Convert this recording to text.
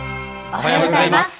おはようございます。